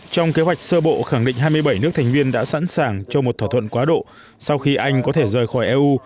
trong kế hoạch sơ bộ khẳng định hai mươi bảy nước thành viên đã sẵn sàng cho một thỏa thuận quá độ sau khi anh có thể rời khỏi eu